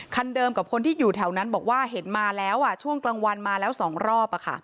คันเดิมกับคนที่อยู่แถวนั้นบอกว่าเห็นมาแล้วช่วงกลางวันมาแล้ว๒รอบ